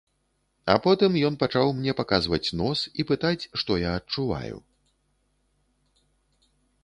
А потым ён пачаў мне паказваць нос і пытаць, што я адчуваю?